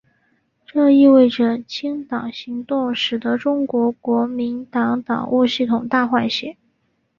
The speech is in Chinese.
这意味着清党行动使得中国国民党党务系统大换血。